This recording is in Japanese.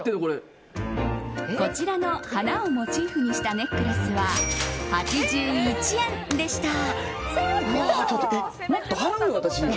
こちらの花をモチーフにしたネックレスは８１円でした。